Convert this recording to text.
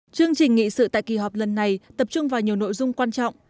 chương trình nghị sự tại kỳ họp lần này tập trung vào nhiều nội dung quan trọng